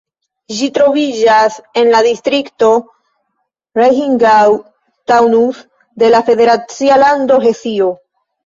Ĝi troviĝas en la distrikto Rheingau-Taunus de la federacia lando Hesio.